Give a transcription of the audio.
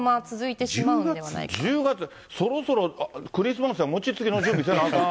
そろそろクリスマスや餅つきの準備せなあかん。